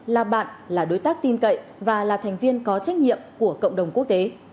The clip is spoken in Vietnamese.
là bạn là đối tác tin cậy và là thành viên có trách nhiệm của cộng đồng quốc tế